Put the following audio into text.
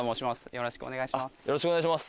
よろしくお願いします